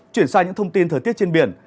chuyển sang những thông tin thời tiết trên biển